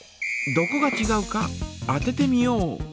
どこがちがうか当ててみよう！